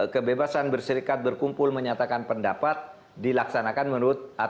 kebebasan berserikat berkumpul menyatakan pendapat dilaksanakan menurut